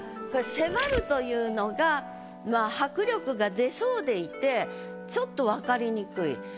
「迫る」というのが迫力が出そうでいてちょっと分かりにくい。